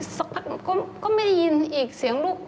สักพักก็ไม่ได้ยินอีกเสียงลูก